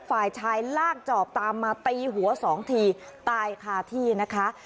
ฝ่ายชายลากจอบตามมาตีหัวสองทีตายคาที่นะคะ